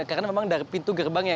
karena memang dari pintu gerbang